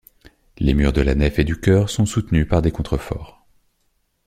Les murs de la nef et du chœur sont soutenus par des contreforts.